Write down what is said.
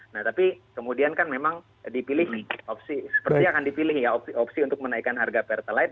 nah tapi kemudian kan memang dipilih opsi sepertinya akan dipilih ya opsi untuk menaikkan harga pertalite